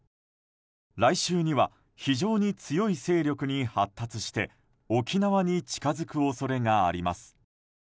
来週には非常に強い勢力に発達して沖縄に近づく恐れがあります。